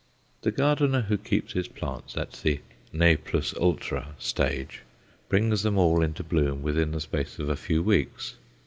The gardener who keeps his plants at the ne plus ultra stage brings them all into bloom within the space of a few weeks.